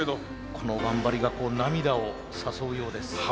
この頑張りが涙を誘うようです。